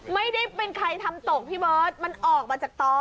ไม่ได้เป็นใครทำตกพี่เบิร์ตมันออกมาจากตอ